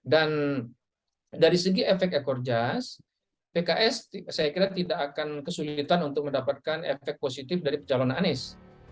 dan dari segi efek ekorjas pks saya kira tidak akan kesulitan untuk mendapatkan efek positif dari calon anies